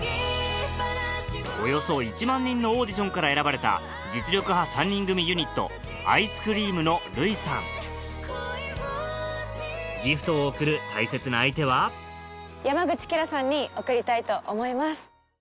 およそ１万人のオーディションから選ばれた実力派３人組ユニットギフトを贈る大切な相手は山口綺羅さんに贈りたいと思います。